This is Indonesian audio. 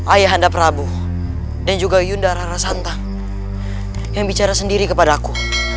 ayahanda prabu dan juga yunda rara santang yang bicara sendiri kepada aku